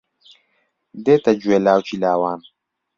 دێتە گوێ لاوکی لاوان